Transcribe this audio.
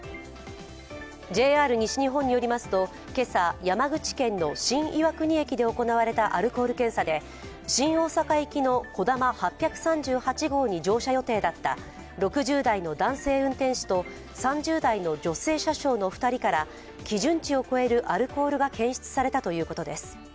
ＪＲ西日本によりますと今朝、山口県の新岩国駅で行われたアルコール検査で新大阪行きの「こだま８３８号」に乗車予定だった６０代の男性運転士と３０代の女性車掌の２人から基準値を超えるアルコールが検出されたということです。